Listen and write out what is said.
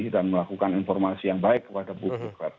dan melakukan informasi yang baik kepada buku